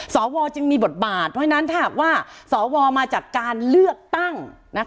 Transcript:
สวจึงมีบทบาทเพราะฉะนั้นถ้าหากว่าสวมาจากการเลือกตั้ง